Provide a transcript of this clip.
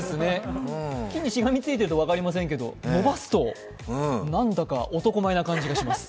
木にしがみついていると分かりませんけれども伸ばすと何だか男前な感じがします。